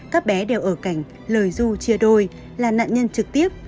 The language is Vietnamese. các bé đều ở cảnh lời du chia đôi là nạn nhân trực tiếp